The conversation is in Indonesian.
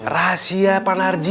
rahasia pak narji